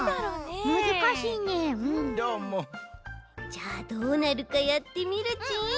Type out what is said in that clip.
じゃあどうなるかやってみるち。